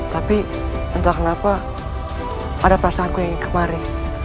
tapi entah kenapa ada perasaanku yang ingin kemari